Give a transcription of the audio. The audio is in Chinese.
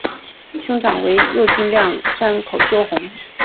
兄长为右京亮山口修弘。